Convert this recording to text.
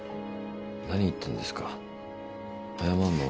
何言ってんですか謝んのは。